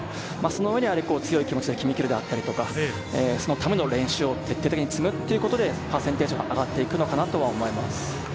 その上で強い気持ちで決めきるとか、そのための練習を徹底的に積むということで、パーセンテージが上がっていくのかなと思います。